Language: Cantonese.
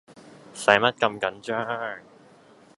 駛乜咁緊張